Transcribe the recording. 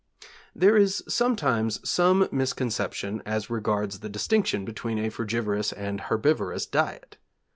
There is sometimes some misconception as regards the distinction between a frugivorous and herbivorous diet.